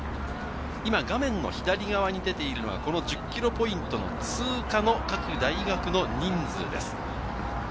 今画面の左側に出ているのがこの１０ｋｍポイント通過の各大学の人数です。